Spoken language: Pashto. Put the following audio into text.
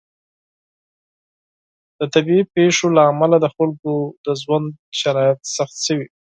د طبیعي پیښو له امله د خلکو د ژوند شرایط سخت شوي.